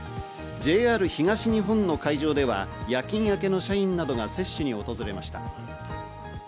ＪＲ東日本の会場では夜勤明けの社員などが接種に訪れました。